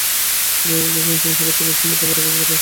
বিশ্লেষকেরা বলছেন, চীনের সঙ্গে উত্তর কোরিয়ার সম্পর্ক বরাবরই ভালো।